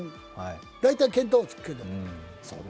大体、見当はつくけど。